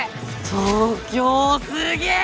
東京すげぇ！